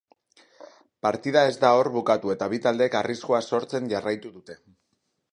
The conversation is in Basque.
Partida ez da hor bukatu eta bi taldeek arriskua sortzen jarraitu dute.